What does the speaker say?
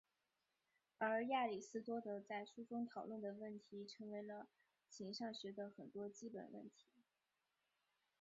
而亚里斯多德在书中讨论的问题成为了形上学的很多基本问题。